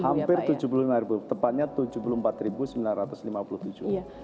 hampir tujuh puluh lima ribu tepatnya tujuh puluh empat sembilan ratus lima puluh tujuh